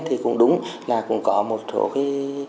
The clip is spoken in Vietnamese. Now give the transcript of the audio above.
thì cũng đúng là cũng có một số cái